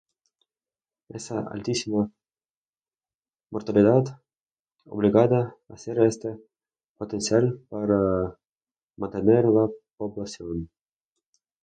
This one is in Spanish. Esa altísima mortalidad obligaba a usar ese potencial para mantener la población.